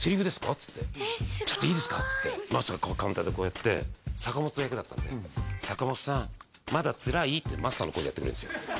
っつって「ちょっといいですか？」っつってマスターカウンターでこうやって坂本って役だったんでってマスターの声でやってくれんですよ